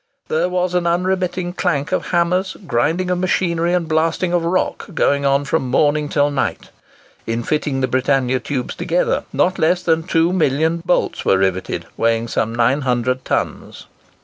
There was an unremitting clank of hammers, grinding of machinery, and blasting of rock, going on from morning till night. In fitting the Britannia tubes together, not less than 2,000,000 of bolts were riveted, weighing some 900 tons.